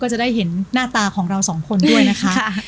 จะได้เห็นหน้าตาของเราสองคนด้วยนะคะ